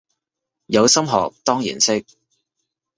有心學當然識